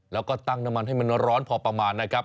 แล้วก็ตั้งน้ำมันให้มันร้อนพอประมาณนะครับ